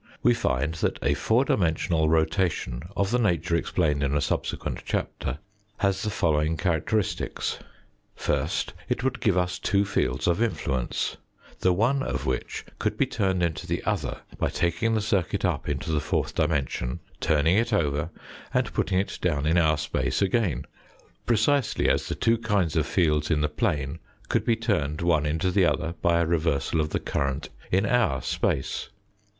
We find that a four dimensional rotation of the nature explained in a subsequent chapter, has the following characteristics : First, it would give us two fields of influence, the one of which could be turned into the other by taking the circuit up into the fourth dimension, turning it over, and putting it down in our space again, precisely as the two kinds of fields in the plane could be turned one into the other by a reversal of the current in our space.